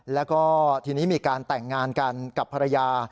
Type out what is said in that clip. แล้วก็ทีนี้มีการแต่งงานกันกับภรรยา